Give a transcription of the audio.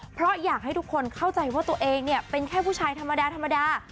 เพราะอยากให้ทุกคนเข้าใจว่าตัวเองเนี่ยเป็นแค่ผู้ชายธรรมดาธรรมดา